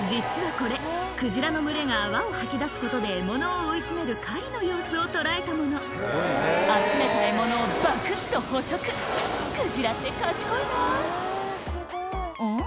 これクジラの群れが泡を吐き出すことで獲物を追い詰める狩りの様子を捉えたもの集めた獲物をばくっと捕食クジラって賢いなうん？